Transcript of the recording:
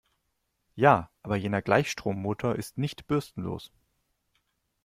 Ja, aber jener Gleichstrommotor ist nicht bürstenlos.